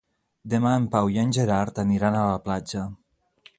Demà en Pau i en Gerard aniran a la platja.